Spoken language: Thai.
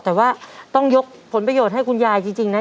แต่ว่าต้องยกผลประโยชน์ให้คุณยายจริงนะ